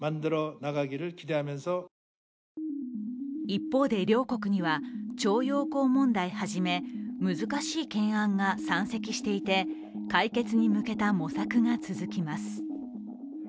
一方で、両国には徴用工問題はじめ難しい懸案が山積していて解決に向けた模索が続きます。